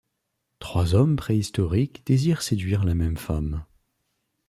Trois hommes préhistoriques désirent séduire la même femme.